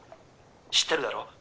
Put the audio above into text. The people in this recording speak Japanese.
知ってるだろ？